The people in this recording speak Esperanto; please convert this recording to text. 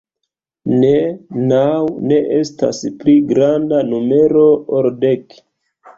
Ne, naŭ ne estas pli granda numero ol dek.